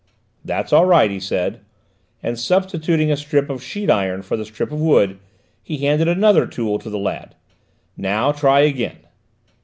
"That's all right," he said, and substituting a strip of sheet iron for the strip of wood, he handed another tool to the lad. "Now try again."